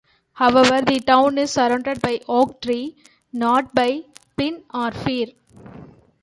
However, the town is surrounded by oak trees, not by pine or fir.